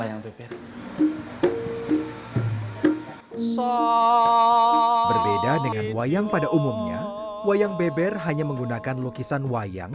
wayang beber berbeda dengan wayang pada umumnya wayang beber hanya menggunakan lukisan wayang